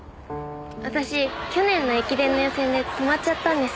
私去年の駅伝の予選で止まっちゃったんです。